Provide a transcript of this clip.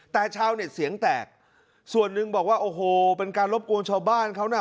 แต่ชาวเน็ตเสียงแตกส่วนหนึ่งบอกว่าโอ้โหเป็นการรบกวนชาวบ้านเขาน่ะ